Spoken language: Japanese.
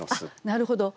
なるほど。